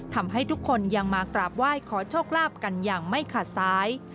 ทำให้ทุกคนยังมากราบไหว้ขอโชคลาภกันอย่างไม่ขาดซ้าย